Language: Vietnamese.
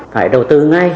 phải đầu tư ngay